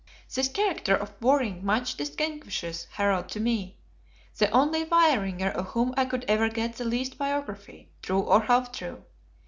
This character of Waring much distinguishes Harald to me; the only Vaeringer of whom I could ever get the least biography, true or half true.